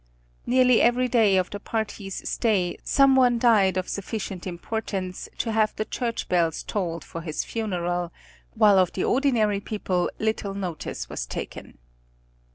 Nearly every day of the party's stay, some one died of sufficient importance to have the church bells tolled for his funeral, while of the ordinary people little notice was taken.